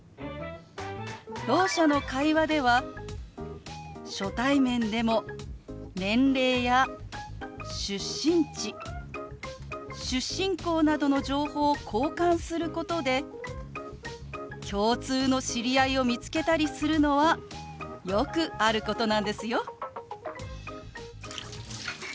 ろう者の会話では初対面でも年齢や出身地出身校などの情報を交換することで共通の知り合いを見つけたりするのはよくあることなんですよ。